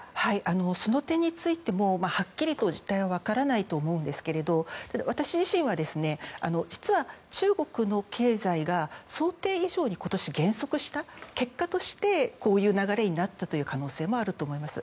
その点についてもはっきりと実態は分からないと思うんですけどもただ、私自身は実は中国の経済が想定以上に今年減速した結果としてこういう流れになったという可能性もあると思います。